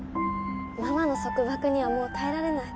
ママの束縛にはもう耐えられない。